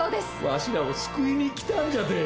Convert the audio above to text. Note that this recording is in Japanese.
わしらを救いに来たんじゃて！